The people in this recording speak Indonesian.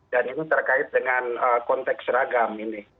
dan ini terkait dengan konteks seragam